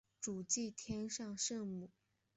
主祀天上圣母。